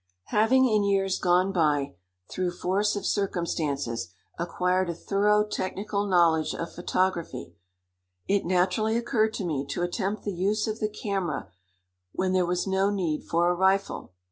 Having in years gone by, through force of circumstances, acquired a thorough technical knowledge of photography, it naturally occurred to me to attempt the use of the camera when there was no need for a rifle.